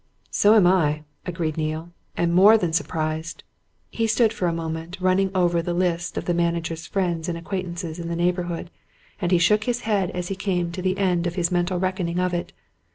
"So am I," agreed Neale. "And more than surprised." He stood for a moment, running over the list of the manager's friends and acquaintances in the neighbourhood, and he shook his head as he came to the end of his mental reckoning of it.